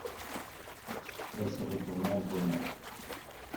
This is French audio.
Elle se retourna en grognant.